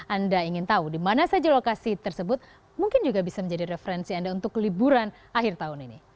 anda ingin tahu di mana saja lokasi tersebut mungkin juga bisa menjadi referensi anda untuk liburan akhir tahun ini